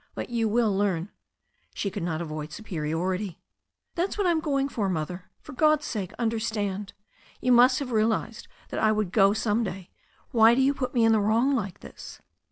But you will learn." She could not avoid superiority. "That's what I'm going for. Mother. For God's sake^ understand. You must have realized that I would go some day. Why do you put me in the wrong like this?"